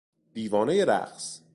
دیوانهی رقص